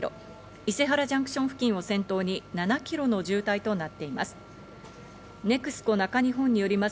伊勢原ジャンクション付近を先頭に７キロの渋滞となっています。